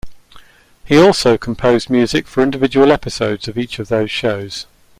He also composed music for individual episodes of each of those shows.